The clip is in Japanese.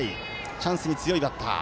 チャンスに強いバッター。